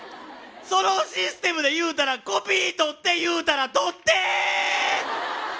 そのシステムでいうたらコピーとって言うたらとって！